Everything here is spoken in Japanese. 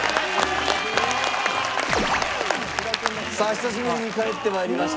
久しぶりに帰って参りました。